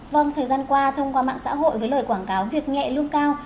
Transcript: vâng thời gian qua thông qua mạng xã hội với lời quảng cáo việc nhẹ lương cao